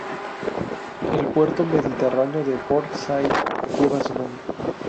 El puerto mediterráneo de Port Said lleva su nombre.